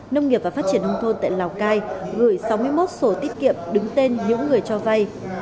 nông nghiệp và phát triển nông thôn tại lào cai gửi sáu mươi một sổ tiết kiệm đứng tên những người cho vay